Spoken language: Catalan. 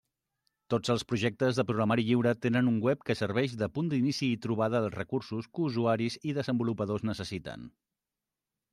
Tots els projectes de programari lliure tenen un web que serveix de punt d'inici i trobada dels recursos que usuaris i desenvolupadors necessiten.